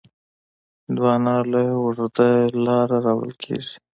هندوانه له اوږده لاره راوړل کېږي.